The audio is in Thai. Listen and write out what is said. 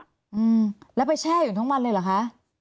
อืมแล้วไปแช่อยู่ทั้งวันเลยเหรอคะ